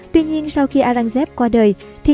tuy nhiên sau khi aurangzeb qua đời